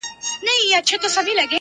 را ايله يې کړه آزار دی جادوگري~